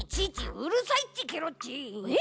うるさいっちケロっち！え？